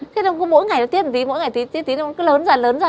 thế nên có mỗi ngày nó tiết một tí mỗi ngày tiết tí tiết tí nó cứ lớn ra lớn ra